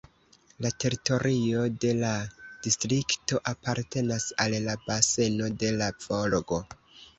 La teritorio de la distrikto apartenas al la baseno de la Volgo.